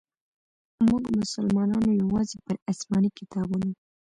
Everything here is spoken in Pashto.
موږ مسلمانانو یوازي پر اسماني کتابونو.